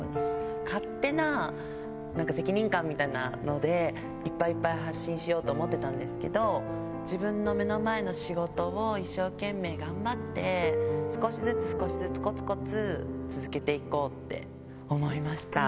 勝手な責任感みたいなので、いっぱいいっぱい発信しようと思ってたんですけど、自分の目の前の仕事を一生懸命頑張って、少しずつ、少しずつ、こつこつ続けていこうって思いました。